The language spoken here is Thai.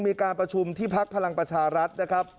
มีการประชุมที่พักพลังประชารัฐนะครับ